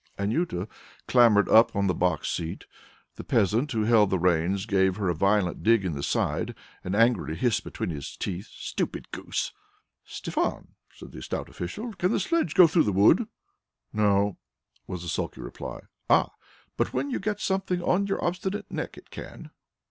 Anjuta clambered up on the box seat. The peasant who held the reins gave her a violent dig in the side and angrily hissed between his teeth, "Stupid goose!" "Stephan," said the stout official, "can the sledge go through the wood?" "No," was the sulky reply. "Ah, but when you get something on your obstinate neck it can.